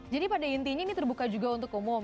jadi pada intinya ini terbuka juga untuk umum